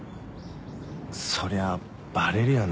そりゃあバレるよな。